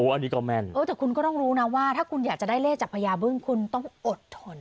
อันนี้ก็แม่นแต่คุณก็ต้องรู้นะว่าถ้าคุณอยากจะได้เลขจากพญาบึ้งคุณต้องอดทน